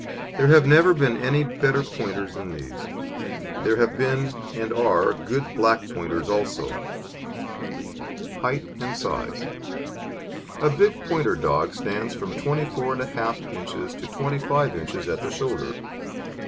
There have never been any better Pointers than these. There have been, and are, good black Pointers also. HEIGHT AND SIZE A big Pointer dog stands from 24 1/2 inches to 25 inches at the shoulder.